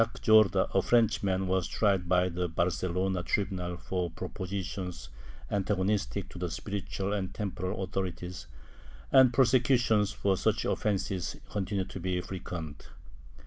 X] UNDER THE BESTORATION 277 Jorda, a Frenchman, was tried by the Barcelona tribunal for propositions antagonistic to the spiritual and temporal authorities, and prosecutions for such offences continued .to be frequent.